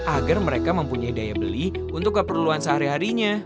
agar mereka mempunyai daya beli untuk keperluan sehari harinya